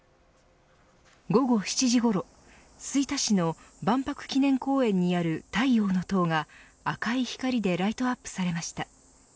午後７時ごろ吹田市の万博記念公園にある太陽の塔が赤い光でライトアップされました。